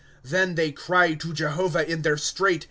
^'^ Then they cry to Jehovah in their strait.